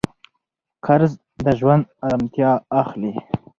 قرض د ژوند ارامتیا اخلي.